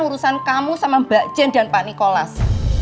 urusan kamu sama mbak jen dan pak nikolas